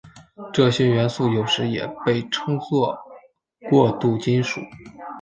这些元素有时也被称作过渡金属。